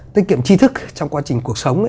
tiết kiệm tri thức trong quá trình cuộc sống